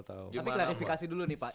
tapi klarifikasi dulu nih pak